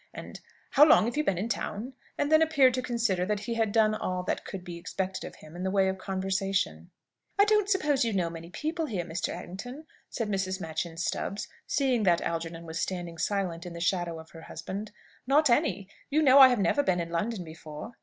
and "How long have you been in town?" and then appeared to consider that he had done all that could be expected of him in the way of conversation. "I suppose you don't know many people here, Mr. Errington?" said Mrs. Machyn Stubbs, seeing that Algernon was standing silent in the shadow of her husband. "Not any. You know I have never been in London before."